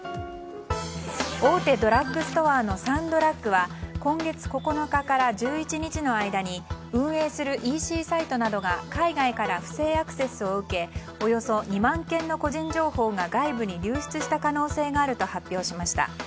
大手ドラッグストアのサンドラッグは今月９日から１１日の間に運営するＥＣサイトなどが海外から不正アクセスを受けおよそ２万件の個人情報が外部に流出した可能性があると発表しました。